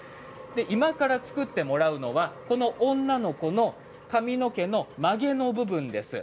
今から作ってもらうのはこの女の子の髪の毛のまげの部分です。